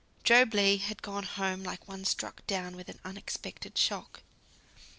Job Legh had gone home like one struck down with the unexpected shock.